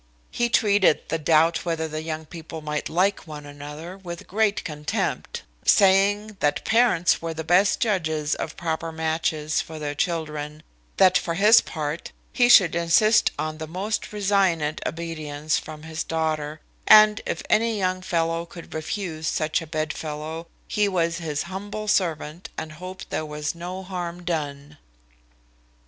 He treated the doubt whether the young people might like one another with great contempt, saying, "That parents were the best judges of proper matches for their children: that for his part he should insist on the most resigned obedience from his daughter: and if any young fellow could refuse such a bed fellow, he was his humble servant, and hoped there was no harm done."